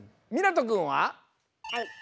みなとくんは？